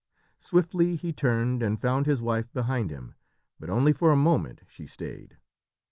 Swiftly he turned, and found his wife behind him, but only for a moment she stayed.